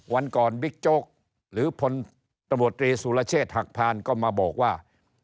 วันก่อนบิ๊กโจ๊กหรือพลตำรวจตรีสุรเชษฐหักพานก็มาบอกว่า